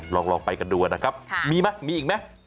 ลองไปกันดูกันนะครับมีมั้ยมีอีกมั้ย